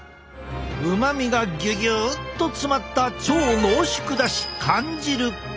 うまみがギュギュッと詰まった超濃縮だし缶汁。